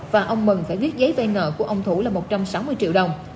và ông mừng phải viết giấy vay nợ của ông thủ là một trăm sáu mươi triệu đồng